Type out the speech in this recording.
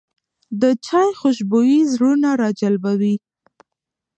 د چای خوشبويي زړونه راجلبوي